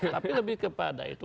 tapi lebih kepada itu